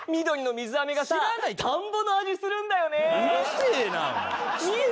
緑の水あめがさ田んぼの味するんだよね。